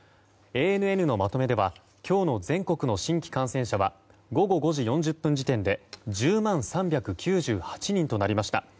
ＡＮＮのまとめでは今日の全国の新規感染者は午後５時４０分時点で１０万３９８人となりました。